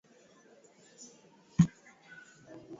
Ondoa maji na kisha ukipondeponde